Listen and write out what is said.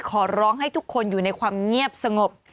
ขอร้องให้ทุกคนอยู่ในความเงียบสงบ